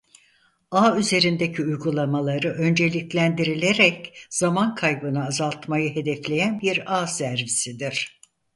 Ağ üzerindeki uygulamaları önceliklendirerek zaman kaybını azaltmayı hedefleyen bir ağ servisidir.